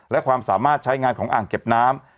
และความสามารถใช้งานของอ่างเก็บน้ำ